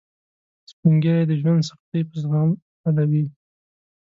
سپین ږیری د ژوند سختۍ په زغم حلوي